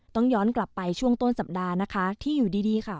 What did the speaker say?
ต้องย้อนกลับไปช่วงต้นสัปดาห์นะคะที่อยู่ดีดีค่ะ